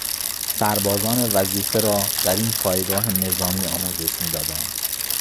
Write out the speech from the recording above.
سربازان وظیفه را در این پایگاه نظامی آموزش میدادند.